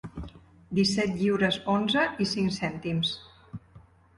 Disset lliures onze i cinc cèntims.